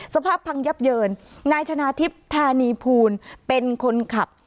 สภาพพังยับเยินนายชนะทิพย์ธานีภูลเป็นคนขับ